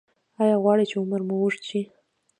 ایا غواړئ چې عمر مو اوږد شي؟